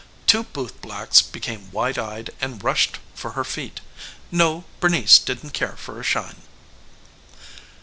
Two bootblacks became wide eyed and rushed for her feet. No, Bernice didn't care for a shine.